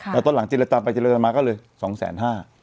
แต่ตอนหลังจิลตามไปจิลตามมาก็เลย๒แสน๕